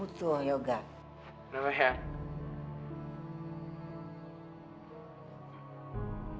makanya kalau dibilang tuh dengerin